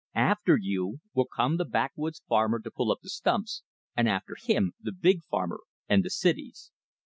After you will come the backwoods farmer to pull up the stumps, and after him the big farmer and the cities."